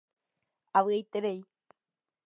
Avy'aiterei.